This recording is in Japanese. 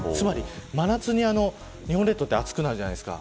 真夏に日本列島は暑くなるじゃないですか。